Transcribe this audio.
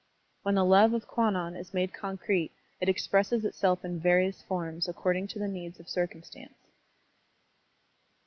When the love of Kwannon is made concrete, it expresses itself in various forms according to the needs of circtmistance.